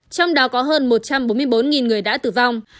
trong đó có hơn một trăm bốn mươi bốn người đã tử vong